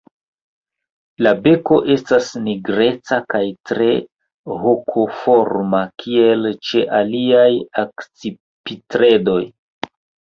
La beko estas nigreca kaj tre hokoforma kiel ĉe aliaj akcipitredoj.